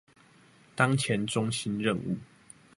當前中心任務